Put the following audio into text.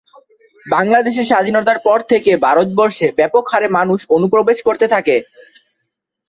বাংলাদেশের স্বাধীনতার পর থেকে ভারতবর্ষে ব্যাপক হারে মানুষ অনুপ্রবেশ করতে থাকে।